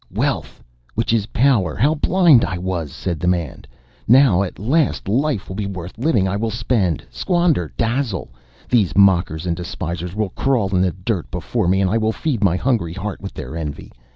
"Wealth which is power! How blind I was!" said the man. "Now, at last, life will be worth the living. I will spend, squander, dazzle. These mockers and despisers will crawl in the dirt before me, and I will feed my hungry heart with their envy.